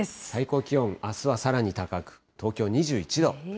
最高気温もあすは高く、東京２１度。